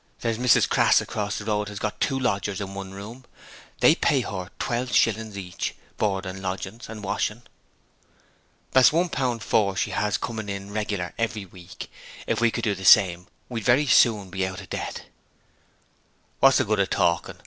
There's Mrs Crass across the road has got two lodgers in one room. They pay her twelve shillings a week each; board, lodging and washing. That's one pound four she has coming in reglar every week. If we could do the same we'd very soon be out of debt.' 'What's the good of talking?